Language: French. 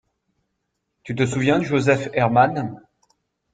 Tu te souviens de Joseph Herman?